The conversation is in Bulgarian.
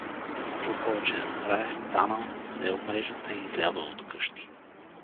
Не можал повече да трае, станал, взел мрежата и излязъл от къщи.